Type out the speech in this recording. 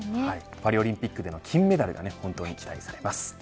パリオリンピックでの金メダルが本当に期待されます。